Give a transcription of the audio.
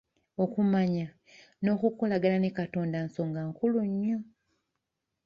Okumanya n’okukolagana ne katonda nsonga nkulu nnyo.